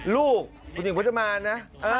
ลูกคุณหญิงพจมานนะ